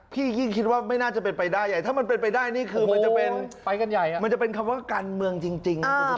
พี่ยิ่งคิดว่าไม่น่าจะเป็นไปได้ใหญ่ถ้ามันเป็นไปได้นี่คือมันจะเป็นไปกันใหญ่มันจะเป็นคำว่าการเมืองจริง